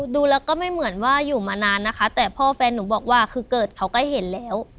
ดูแล้วก็ไม่เหมือนว่าอยู่มานานนะคะแต่พ่อแฟนหนูบอกว่าคือเกิดเขาก็เห็นแล้ว